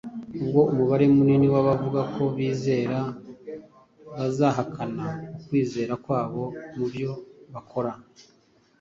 Ubwo umubare munini w’abavuga ko bizera bazahakana ukwizera kwabo mu byo bakora,